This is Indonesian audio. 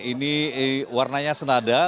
ini warnanya senada